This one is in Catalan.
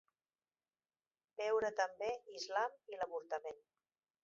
Veure també: Islam i l'avortament.